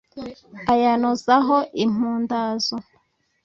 Ayanozaho impundazo,